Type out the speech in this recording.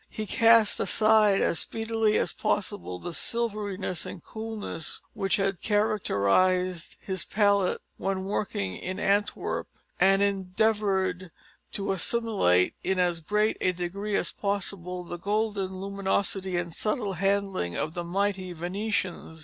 He cast aside as speedily as possible the silveriness and coolness which had characterised his palette when working in Antwerp, and endeavoured to assimilate in as great a degree as possible the golden luminosity and subtle handling of the mighty Venetians.